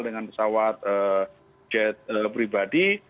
dengan pesawat jet pribadi